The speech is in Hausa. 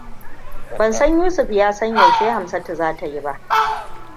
Ban san Yusuf ya san yaushe Hamsatu za ta yi ba.